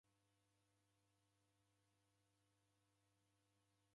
Idime nadeka kilumbwa.